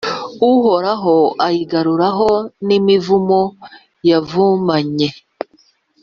Uhoraho ayigarureho n’imivumo yavumanye.